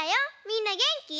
みんなげんき？